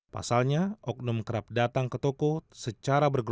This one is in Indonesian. pasalnya oknum kerap datang ke toko secara bergulir